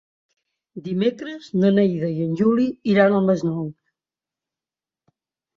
Dimecres na Neida i en Juli iran al Masnou.